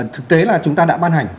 thực tế là chúng ta đã ban hành